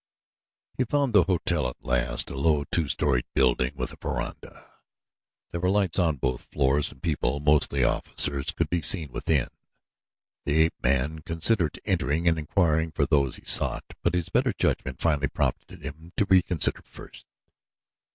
He found the hotel at last, a low, two storied building with a veranda. There were lights on both floors and people, mostly officers, could be seen within. The ape man considered entering and inquiring for those he sought; but his better judgment finally prompted him to reconnoiter first.